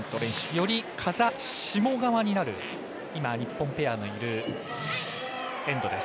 より風下側になる日本ペアのいるエンドです。